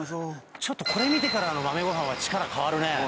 ちょっとこれ見てからの豆ごはんは力変わるね。